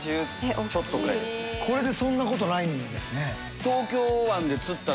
これでそんなことないんですね。